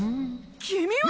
君は。